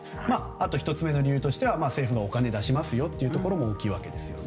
あと１つ目の理由としては政府がお金を出しますよというところも大きいわけですよね。